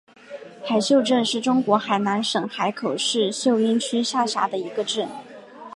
海秀镇是中国海南省海口市秀英区下辖的一个镇。